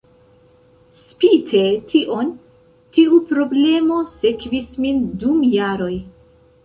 Spite tion, tiu problemo sekvis min dum jaroj.